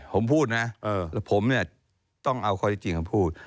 ผมพูดนะผมเนี่ยต้องเอาข้อที่จริงคำพูด